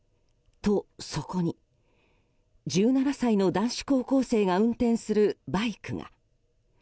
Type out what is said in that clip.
と、そこに１７歳の男子高校生が運転するバイクが。